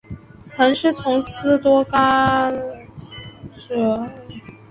曾师从斯多噶哲学学派始祖芝诺。